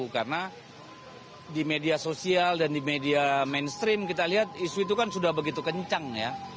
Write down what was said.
karena di media sosial dan di media mainstream kita lihat isu itu kan sudah begitu kencang ya